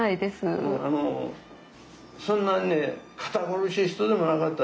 あのそんなね堅苦しい人でもなかった。